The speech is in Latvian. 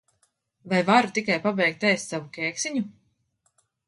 Vai varu tikai pabeigt ēst savu kēksiņu?